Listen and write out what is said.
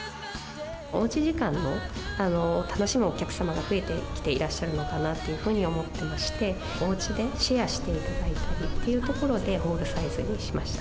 おうち時間を楽しむお客さんが増えてきていらっしゃるのかなというふうに思ってまして、おうちでシェアしていただいたりっていうところで、ホールサイズにしました。